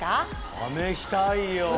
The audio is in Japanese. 試したいよ